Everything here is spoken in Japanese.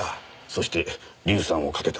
そして硫酸をかけた。